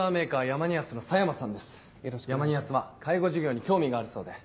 ヤマニアスは介護事業に興味があるそうで。